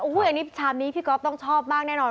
อันนี้ชามนี้พี่ก๊อฟต้องชอบมากแน่นอน